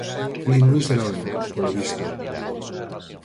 Nin Luis del Olmo, polo visto.